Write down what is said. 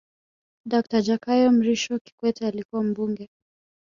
dakta jakaya mrisho kikwete alikuwa mbunge